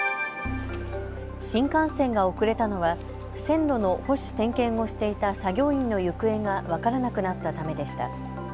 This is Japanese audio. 新幹線が遅れたのは線路の保守・点検をしていた作業員の行方が分からなくなったためでした。